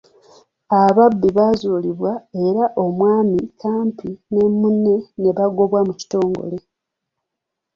Ababbi baazuulibwa era omwami Kampi ne munne ne bagobwa mu kitongole.